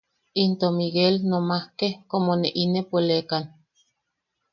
Into Miguel nomaske como ne inepolekan.